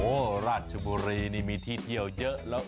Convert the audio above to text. โอ้โหราชบุรีนี่มีที่เที่ยวเยอะแล้ว